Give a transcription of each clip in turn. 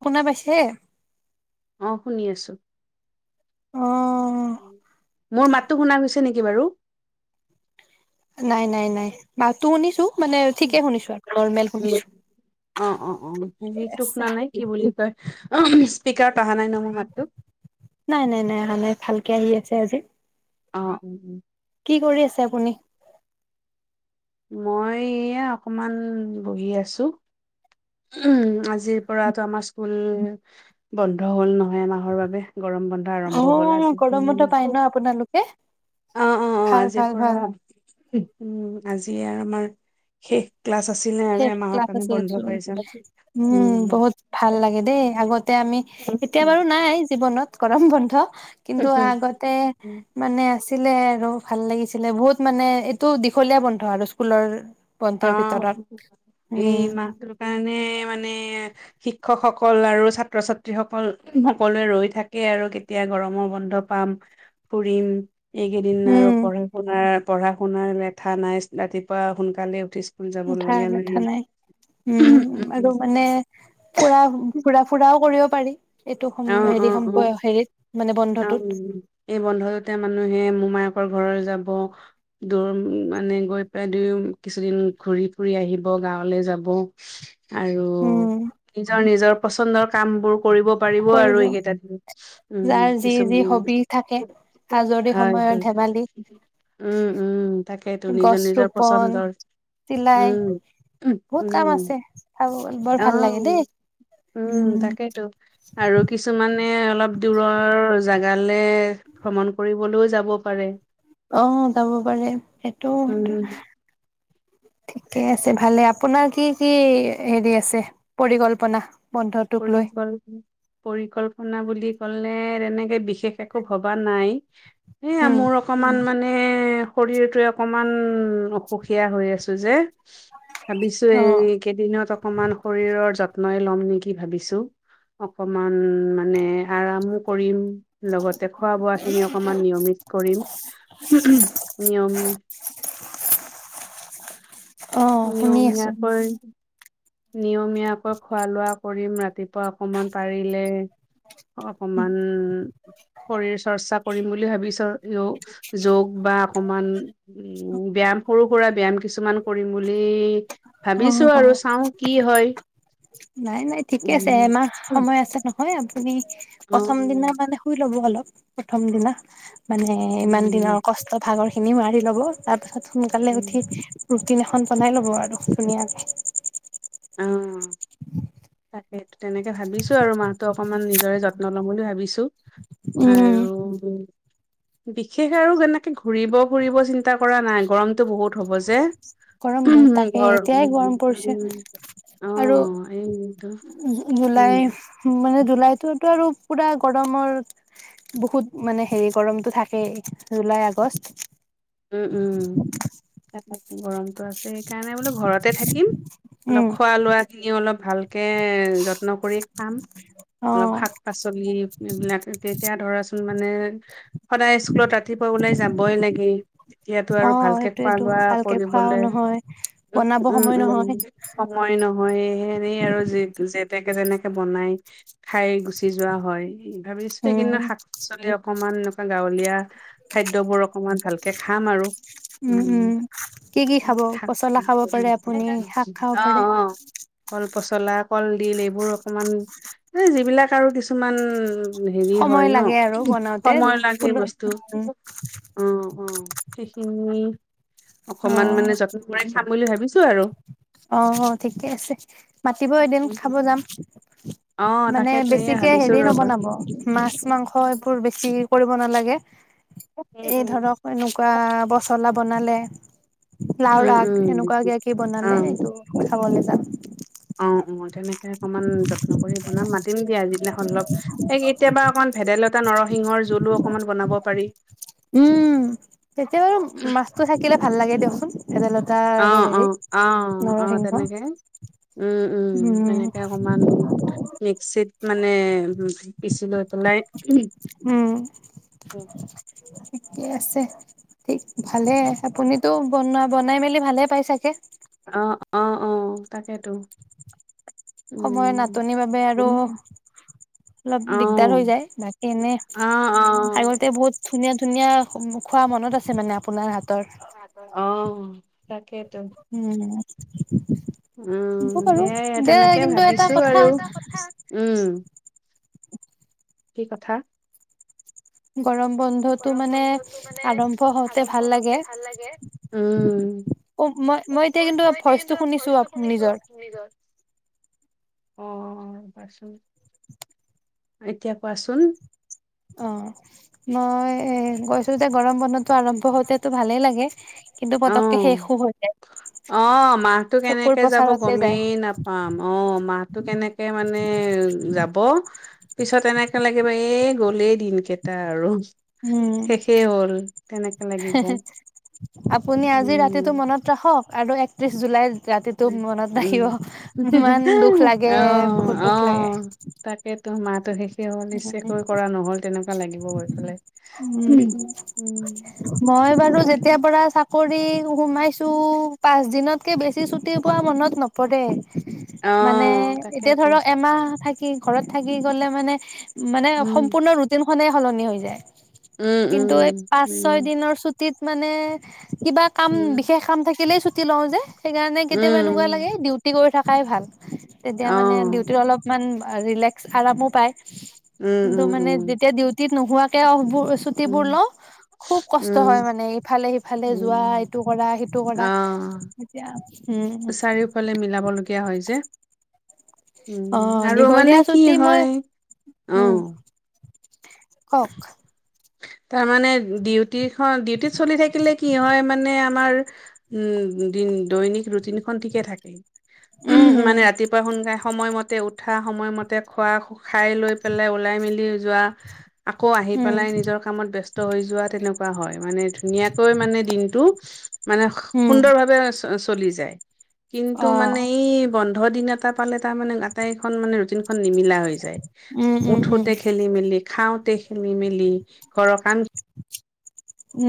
শুনা পাইছে? অ' শুনি আছোঁ। অ', মোৰ মাতটো শুনা গৈছে নেকি বাৰু? নাই, নাই, নাই, মাতটো শুনিছো মানে ঠিকে শুনিছো আৰু নৰ্মেল শুনিছোঁ। উম অ অ অ হেৰিটো শুনা নাই কি বুলি কয় অ স্পিকাৰত অহা নাই ন মোৰ মাতটো। নাই নাই নাই আহা নাই ভালকে আহি আছে আজি। অ' উম উম। কি কৰি আছে আপুনি? মই এয়া অকমান বহি আছো। উম, আজিৰ পৰাটো আমাৰ স্কুল, বন্ধ হ'ল নহয় এমাহৰ বাবে। গৰম বন্ধ অ আৰম্ভ হ'ল আজি। গৰম বন্ধ পাই ন আপোনালোকে অ', অ', অ', ভাল আজিৰ ভাল পৰা, ভাল উম। আজিয়েই আমাৰ শেষ। ক্লাছ আছিলে আৰু শেষ এমাহৰ ক্লাছ কাৰণে আছিল বন্ধ চোন। পাইছে উম, বহুত ভাল লাগে দেই। আগতে আমি, এতিয়া উম বাৰু নাই জীৱনত গৰম বন্ধ কিন্তু আগতে উম মানে ছিলে আৰু ভাল লাগিছিলে বহুত মানে এইটো দীঘলীয়া বন্ধ আৰু স্কুলৰ। বন্ধৰ অ ভিতৰত। এই উম মাহটোৰ কাৰণে মানে শিক্ষকসকল আৰু ছাত্ৰ-ছাত্ৰীসকল সকলোৱে ৰৈ থাকে আৰু কেতিয়া গৰমৰ ব ন্ধ পাম ফুৰিম এইকেইদিন আৰু উম পঢ়া-শুনাৰ পঢ়া-শুনাৰ লেঠা নাই ৰাতিপুৱা সোনকালে উঠি স্কুল উঠাৰ, যাবলগীয়া লাগে। লেঠা নাই। উম, আৰু মানে ফুৰা, ফুৰা ফুৰাও কৰিব পাৰি এইটো অ', হেৰি অ', অ', হেৰিত মানে অ', বন্ধটোত এই বন্ধটোতে মানুহে মোমাই ঘৰৰ যাব দূৰ মানে গৈ পেলাই দুয়ো কিছুদিন ঘুৰি ফুৰি আহিব। গাৱলে যাব আৰু উম নিজৰ নিজৰ পচন্দৰ কামবোৰ কৰিব। পাৰিব আৰু কৰিব এইকেইটা দিন। উম, যাৰ কি যি যি হবি থাকে আজৰি হয়, সময়ত হয়। ধেমালি উম, উম তাকেইেতো নিজৰ গছ নিজৰ ৰোপন পচন্দৰ চিলাই উম, বহুত কাম উম, আছে চাব বৰ অ'। ভাল লাগে দেই উম, তাকেইতো। আৰু কিছুমানে অলপ দূৰৰ জাগালে ভ্ৰমণ কৰিবলৈও যাব। পাৰে। অ', যাব পাৰে সেইটো উম ঠিকে আছে ভালে আপোনাৰ কি কি হেৰি আছে পৰিকল্পনা? বন্ধটোক লৈ পৰিকল্প, পৰিকল্পনা বুলি ক'লে এনেকে বিশেষ এক ভবা নাই উম মোৰ অকমান মানে মানে শৰীৰটোৱে অকমান অসুখীয়া হৈ আছো যে। ভাবিছো অ এই কেইদিনত অকমান শৰীৰৰ যত্নই লম নেকি। কি ভাবিছো, অকমান মানে আৰামো কৰিম। লগতে খোৱা বোৱা খিনি অকমান নিয়মিত কৰিম নিয়মি অ', শুনি আছো। নিয়মীয়াকৈ নিয়মীয়াকৈ খোৱা লোৱা কৰিম ৰাতিপুৱা অকমান পাৰিলে অকমান শৰীৰ চৰ্চা কৰিম বুলি ভাবিছ যোগ বা বা অকমান উ ব্যাম সৰু সুৰা ব্যায়াম কিছুমান কৰিম বুলি অ ভাবিছো অ আৰু চাওঁ কি হয়। নাই, নাই ঠিকে আছে উম এমাহ সময় আছে নহয় আ আমি অ প্ৰথম দিনা মানে শুই ল'ব অলপ প্ৰথম দিনা মানে ইমান উম দিনৰ কষ্ট ভাগৰ খিনি মাৰি ল'ব তাৰ পিছত সোনকালে উঠি ৰুটিন এখন বনাই ল'ব আৰু ধুনীয়াকে। অ', তাকেইটো তেনেকে ভাবিছো আৰু মাহ অ'। অকমান নিজৰে যত্ন লম বুলি ভাবিছো আৰু বিশেষ আৰু এনেকে ঘুৰিব ফুৰিব চিন্তা কৰা নাই গৰমতটো বহুত হ'ব যে গৰম বহুত তাকে ঘৰ এতিয়াই উম, গৰম উম, পৰিছে উম। অ আৰু এইটো উম জুলাই মানে জুলাইটোত টো আৰু পুৰা গৰমৰ বহুত মানে হেৰি গৰমতটো থাকে জুলাই আগষ্ট [inaudible] উম উম গৰমটো আছে সেইকাৰণে বোলো ঘৰতে থাকিম অলপ খোৱা লোৱা খিনি অলপ ভাল তাকে যত্ন কৰি খাম। অ অলপ শাক-পাচলি এইবিলাক তেতিয়া ধৰাচোন মানে সদায় স্কুলত ৰাতিপুৱা ওলাই যাবই লাগে। তেতিয়াতো অ আৰু ভালকে খোৱা সেইটোয়েতো লোৱা ভালকে খোৱাও কৰিবলে নহয় উম, বনাব উম, সময় উম। নহয় মই নহয় হেনেই আৰু যেতেকে তেনেকে বনাই খাই গুচি যোৱা হয় ভাবিছো সেইকনা উম শাক-পাচলি অকমান এনেকুৱা গাঁৱলীয়া খাদ্যবোৰ অকণমান ভালকে খাম আৰু উম উম কি কি খাব শাক- পচলা খাব পাৰে আপুনি শাক খাব অ', পাৰে অ', কল পচলা কলডিল এইবোৰ অকমান এ যিবিলাক আৰু কিছুমান হেৰি হয় সময় লাগে আৰু ন বনাওতে সময় লাগে ফুল বস্তু অ। অ সেইখিনি অকমান অ', মানে যত্ন কৰেই খাম বুলি ভাবিছো আৰু অ', অ', ঠিকে আছে মাতিব এদিন খাব যাম। অ', মানে তাকেতো এয়া বেছিকে ভাবিছো হেৰি ৰ'বা নবনাব মাছ মাংস এইবোৰ বেছি কৰিব নালাগে উম, এই উম। ধৰক এনেকুৱা পচলা বনালে উম, লাওৰাগ উম, এনেকুৱাকে কি অ', বনালে এইটো খাবলৈ যাম। অ অ তেনেকে অকনমান যত্ন কৰি বনাম মাতিম দিয়া যিদিনাখন অলপ কেতিয়াবা অকমান ভেদাইলতা নৰসিংহৰ জোলো অকণমান বনাব পাৰি। উম তেতিয়া বাৰু মাছতটো থাকিল ভাল লাগে দিয়কচোন ভেদাইলতা অ', আৰু হেৰি অ', অ', অ', নৰসিংহ তেনেকে উম উম তেনেকে অকমান মিক্সিত মানে পিচি লৈ পোনা ইগ। উম। উম। ঠিকেই আছে ঠিক ভালে আপুনিতো বনোৱা বনাই মেলি ভালে পাই চাগে। অঁ, অঁ, তাকেইেতো। সময়ৰ নাটনিৰ বাবে আৰু। অলপ দিগদাৰ হৈ অ', যায় বাকী এনে অ', আগতে বহুত। ধুনীয়া ধুনীয়া খোৱা মনত আছে মানে আপোনাৰ হাতৰ। অ তাকে। উম। উম হ'ব বাৰু সেইয়াই দে তেনেকে কিন্তু এটা ভাবিছো কথা আৰু উম। কি কথা? গৰম বন্ধতটো মানে আৰম্ভ হওঁতে ভাল লাগে। উম, অ মই মই এতিয়া কিন্তু ভইচটো শুনিছো নিজৰ। অ বাচোন। এতিয়া কোৱাচোন? অ মই এ গৈছো যে গৰম বনত। টো আৰম্ভ হতেতটো ভালেই লাগে কিন্তু পতককে অ'। শেষো হৈ যায়। অ মাহটো চকুৰ কেনেকে যাব পচাৰতে যায় গমেই নাপাম অ মাহটো কেনেকে মানে। উ যাব। পিছত এনেকে লাগিব এ গলেই দিন কেইটা আৰু উম শেষেই হ'ল তেনেক। লাগিব। আপুনি আজি উম ৰাতিটো মনত ৰাখক, আৰু একত্ৰিশ জুলাইত ৰাতিটো মনত উম থাকিব ৰাখিব, ইমান দুখ অ লাগে, বহুত দুখ লাগে। তাকে কি হয়, নিশ্চকৈ কৰা নহল তেনেকুৱা লাগিব গৈ পেলাই উম, মই বাৰু যেতিয়াৰ পৰা কাম কৰি সোমাইছোঁ, পাঁচদিনতকৈ বেছি ছুটি পোৱা মনত নপৰে। অ মানে এতিয়া তাকেতো ধৰক এমাহ থাকে কি ঘৰত থাকি গলে মানে, মানে উম সম্পূৰ্ণ ৰুটিন খনেই সলনি হৈ যায়। উম কিন্তু উম এই পাঁচ উম ছয় দিনৰ ছুটিত মানে কিবা কাম, উম বিশেষ কাম থাকিলেই ছুটি লওঁ যে, সেই কাৰণে কেতিয়াবা এনেকুৱা উম লাগে ডিউটি কৰি থাকোঁ। খাই ভাল, তেতিয়া অ মানে ডিউটিত অলপমান ৰিলেক্স আৰামো পায়। উম উম উম চুটিত নোহোৱাকে উম, চুটিবোৰ ল খুব কষ্ট হয় উম, মানে ইফালে সিফালে যোৱা উম, ইটো কৰা সিটো কৰা অ', এতিয়া উম চাৰিওফালে মিলাবলগীয়া হয় যে অ উম আৰু দীঘলীয়া মানে কি ছুটি মই হয় আহ কক তাৰমানানে ডিউটি খ ডিউটিত চলি থাকিলে কি হয় মানে আমাৰ উম দিন দৈনিক ৰুটিন ঠিকে থাকে উ উম উম মানে ৰাতিপুৱা সোনকালে সময়মতে উঠা সময়মতে খোৱা খাই লৈ পেলাই ওলাই মেলি যোৱা আকৌ আহি উম পেলাই নিজৰ কামত ব্যস্ত হৈ যোৱা তেনেকুৱা হয় মানে ধুনীয়াকৈ মানে দিনটো মানে উম সুন্দৰ ভাৱে চলি যায় কিন্তু অ মানে এই বন্ধ দিন এটা পালে তাৰ মানে আটাইখন মানে ৰুটিন খন নিমিলা হৈ যায় উম উম উম উঠোতে খেলি মেলি খাওঁতে গোটেই খেলি মেলি ঘৰৰ কণ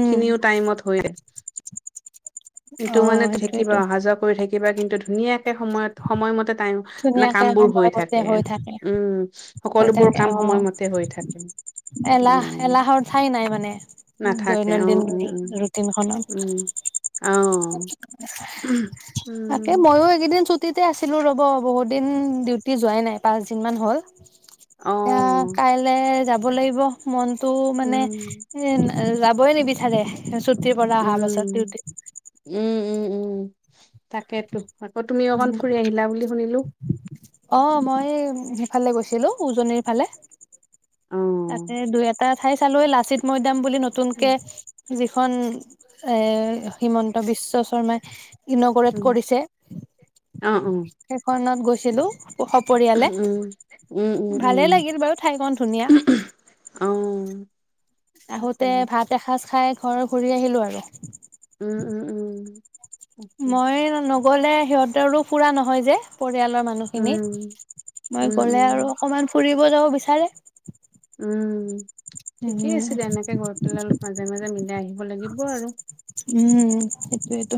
উম সখিনিও টাইমত হয়। কিন্তু অ মানে থাকিবা সেইটোয়েতো অহা যোৱা কৰি থাকিবা কিন্তু ধুনীয়াকে সময়ত সময়মতে। মানে ধুনীয়াকে কাম বোৰ সময় হৈ মতে থাকে। হৈ থাকে উম, হৈ সকলোবোৰ থাকে কাম অ সময়মতে হৈ থাকে। এলাহ উম, এলাহৰ ঠাই নাই মানে নাথাকে অ', দৈনন্দিন উম, উম, উম, ৰুটিনখনত। অ'। তাকে উম, ময়ো এইকেইদিন ছুটিতে আছিলো ৰ'ব বহুত দিন ডিউটি যোৱাই নাই পাঁচ দিন মান হ'ল। অ', এতিয়া কাইলে যাব লাগিব মনটো মানে উম, উম। এ যাবই নিবিচাৰে ছুটিৰ পৰা অহা পাছত ডিউটি। উম উম উম। তাকেতো আকৌ তুমি অকন ফুৰি আহিলা বুলি শুনিলো। ফালে গৈছিলো উজনিৰ ফালে। অ', তাতে দুই এটা ঠাই চালোৱে লাচিত মৈদাম বুলি উম, নতুনকে। খন এ হিমন্ত বিশ্ব শৰ্মাই। ইন'গৰেট উম, কৰিছে। অ', অ', উম। সেইখনত গৈছিলো। সপৰিয়ালে উম, উম, ভালে উম, লাগিল বাৰু ঠাইখন ধুনীয়া। অ'। তাকে আহোতে ভাত এসাঁজ খাই ঘৰ ঘূৰি আহিলো আৰু। উম উম উম। তাকে মই নগলে সিহঁতৰো ফুৰা নহয় যে পৰিয়ালৰ উম মানুহখিনি মই উম গলে উম আৰু অকমান ফুৰিব যাব বিচাৰে। উম। ঠিকে উম আছিলে এনেকে ঘৰ পেলাই অলপ মাজে মাজে মিলাই আহিব লাগিব আৰু। উম সটো এইটো।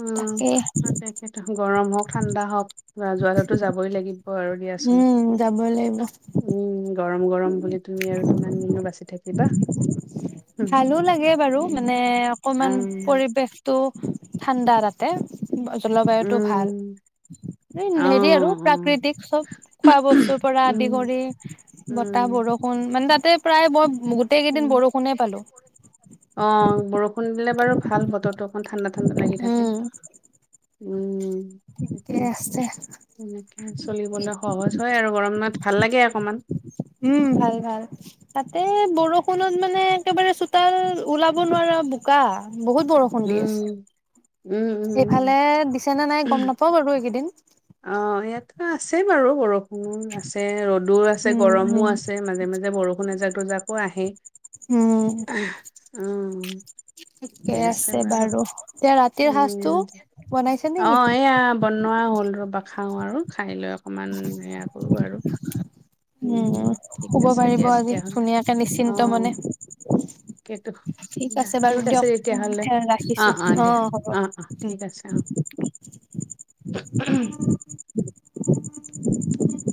উমেতো গৰম হওক ঠাণ্ডা হওক বা যোৱাটোতো যাবই লাগিব আৰু। আ উম যাবই লাগিব উম। গৰম গৰম বুলি তুমি আৰু কিমান দিননো বাচি থাকিবা। উম ভালো লাগে বাৰু উম মানে অকমান আহ, পৰিৱেশতটো। ঠাণ্ডা তাতে জলবায়ুতটো ভাল। উম অ হেৰি আৰু অ প্ৰাকৃতিক চব খোৱা বস্তুৰ পৰা আদি উম কৰি। বতাহ উম বৰষুণ মানে তাতে প্ৰায় মই। গোটেই কেইদিন বৰষুণে পালো অ', বৰষুণ দিলে বাৰু ভাল বতৰতো। ইমান ঠাণ্ডা ঠাণ্ডা লাগি থাকে উম উম। ঠিকে তাকেই আছে সনেকে চলিবলে সহজ হয় আৰু গৰম নথ ভাল লাগে অকমান। উম, ভাল, ভাল। তাতে, বৰষুণত মানে একেবাৰে চোতাল ওলাব নোৱাৰা চব বোকা বহুত বৰষুণ দি আছে। উম, উম, উম, উম। সেইফালে দিছে নে নাই গম নাপাওঁ বাৰু এইকেইদিন। অ', ইয়াতটো আছেই বাৰু বৰষুণো আছে, ৰ'দ ৰ'দো আছে, উম গৰমো উম আছে, মাজে-মাজে বৰষুণ এজাক-দুজাকো আহে। উম, অ', ঠিকে আছে বাৰু। এতিয়া ৰাত তিৰ সাজটো উম, দিয়া। বনাইছে অ', নেকি? এয়া বনোৱা হ'ল। ৰ'বা, খাওঁ আৰু খাই লৈ অকণমান সেয়া কৰোঁ আৰু উম, ঠিক শুব আছে পাৰিব দিয়া আজি তেতিয়াহ'লে। ধুনীয়াকে নিশ্চিন্ত মনে। তাকেতো ঠিক দিয়া, বাৰু ঠিক আছে দিয়ক তেতিয়াহলে, অ', অ', দিয়া, অ', অ', ঠিক আছে, অ'। [inaudible] [inaudible]